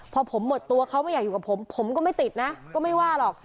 พอผมหมดตัวเขาไม่อยากอยู่กับผมผมก็ไม่ติดนะก็ไม่ว่าหรอก